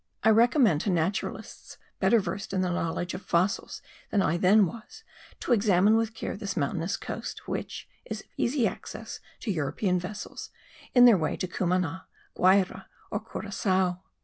I recommend to naturalists better versed in the knowledge of fossils than I then was, to examine with care this mountainous coast (which is easy of access to European vessels) in their way to Cumana, Guayra or Curacao.